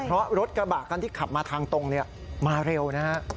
เพราะรถกระบะคันที่ขับมาทางตรงมาเร็วนะฮะ